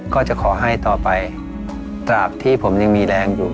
ก็จะขอให้ต่อไปตราบที่ผมยังมีแรงอยู่